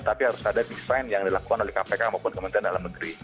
tapi harus ada desain yang dilakukan oleh kpk maupun kementerian dalam negeri